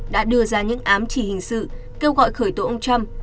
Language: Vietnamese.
đã đưa ra những ám chỉ hình sự kêu gọi khởi tố ông trump